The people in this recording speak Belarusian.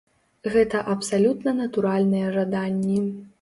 Гэта абсалютна натуральныя жаданні.